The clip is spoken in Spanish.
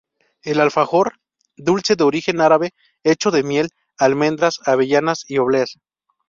El alfajor, dulce de origen árabe, hecho de miel, almendras, avellanas y obleas.